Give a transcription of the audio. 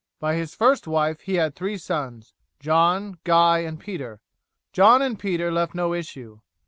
By his first wife he had three sons, John, Guy, and Peter. John and Peter left no issue.